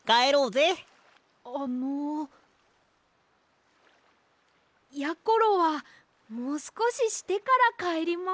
あのやころはもうすこししてからかえります。